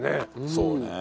そうね。